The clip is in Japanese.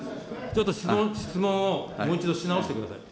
ちょっと質問をもう一度、し直してください。